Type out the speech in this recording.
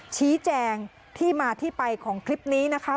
ชี้แจงที่มาที่ไปของคลิปนี้นะคะ